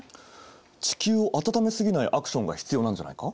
地球を暖め過ぎないアクションが必要なんじゃないか？